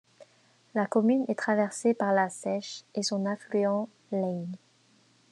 La commune est traversée par la Seiche et son affluent l’Yaigne.